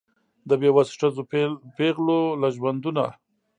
د بېوسو ښځو پېغلو له ژوندونه